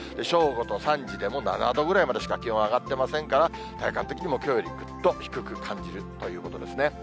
正午と３時でも、７度ぐらいまでしか気温が上がってませんから、体感的にもきょうよりぐっと低く感じるということですね。